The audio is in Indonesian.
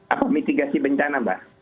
apa mitigasi bencana mbak